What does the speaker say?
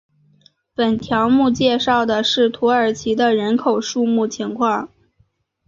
本条目介绍的是土耳其的人口数目情况。